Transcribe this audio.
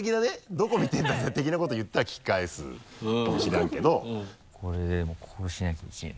「どこ見てんだぜぇ」的なこと言ったら聞き返すかもしらんけどこれでもこうしなきゃいけない